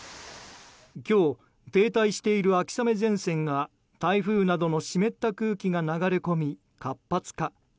今日、停滞している秋雨前線が台風などの湿った空気が流れ込み活発化。